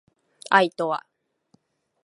愛とは